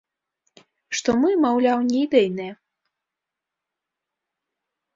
Што мы, маўляў, не ідэйныя.